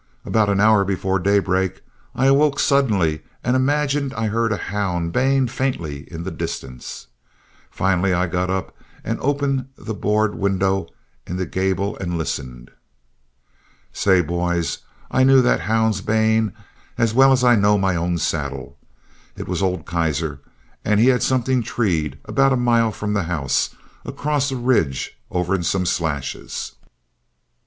About an hour before daybreak, I awoke suddenly and imagined I heard a hound baying faintly in the distance. Finally I got up and opened the board window in the gable and listened. Say, boys, I knew that hound's baying as well as I know my own saddle. It was old Keiser, and he had something treed about a mile from the house, across a ridge over in some slashes.